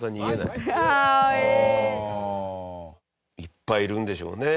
いっぱいいるんでしょうね。